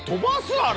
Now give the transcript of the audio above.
あれ。